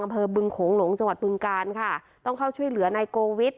อำเภอบึงโขงหลงจังหวัดบึงการค่ะต้องเข้าช่วยเหลือนายโกวิท